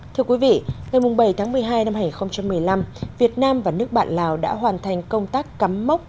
thưa quý vị ngày bảy tháng một mươi hai năm hai nghìn một mươi năm việt nam và nước bạn lào đã hoàn thành công tác cắm mốc